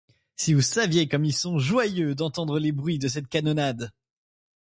Si vous saviez comme y sont joyeux d’entendre les bruits de cette canonnade !